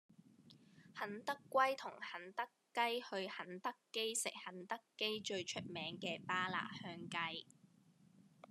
肯德龜同肯德雞去肯德基食肯德基最出名嘅巴辣香雞